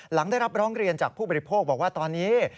หลังได้รับร้องเรียนจากผู้บริโภคบอกว่าตอนนี้